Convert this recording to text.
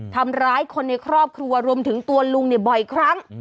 ทำร้ายคนในครอบครัวรวมถึงตัวลุงเนี่ยบ่อยครั้ง